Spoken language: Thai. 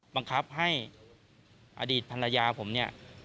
บังคับให้อดีตภรรยาผมเนี่ย